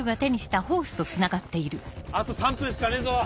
あと３分しかねえぞ！